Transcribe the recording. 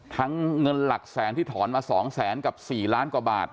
เงินหลักแสนที่ถอนมา๒แสนกับ๔ล้านกว่าบาท